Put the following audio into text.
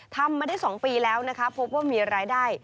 ทำมาได้๒ปีแล้วนะคะพบว่ามีรายได้